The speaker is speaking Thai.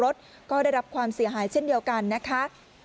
ือจอดแสดงรมรถก็ได้รับความเสียหายเช่นเดียวกันนะคะ